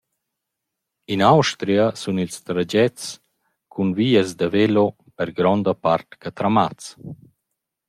In Austria sun ils tragets cun vias da velo per gronda part catramats.